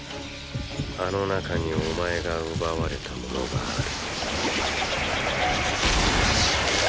あの中にお前が奪われたものがある。